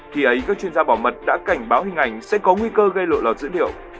khi ấy các chuyên gia bảo mật đã cảnh báo hình ảnh sẽ có nguy cơ gây lộ lọt dữ liệu